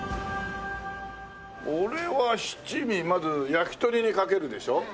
俺は七味まず焼き鳥にかけるでしょ。